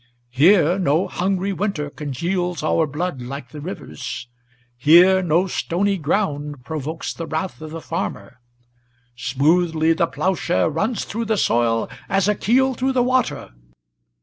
Here no hungry winter congeals our blood like the rivers; Here no stony ground provokes the wrath of the farmer. Smoothly the ploughshare runs through the soil, as a keel through the water.